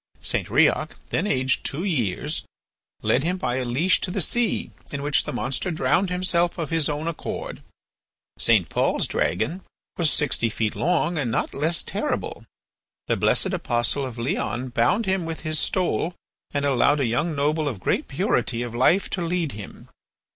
St. Riok, then aged two years, led him by a leash to the sea, in which the monster drowned himself of his own accord. St. Pol's dragon was sixty feet long and not less terrible. The blessed apostle of Leon bound him with his stole and allowed a young noble of great purity of life to lead him.